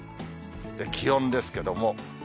気温ですけども。